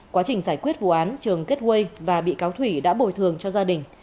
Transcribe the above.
quá trình giải quyết vụ án trường kết quây và bị cáo thủy đã bồi thường cho gia đình